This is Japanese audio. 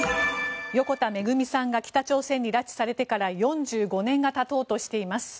横田めぐみさんが北朝鮮に拉致されてから４５年がたとうとしています。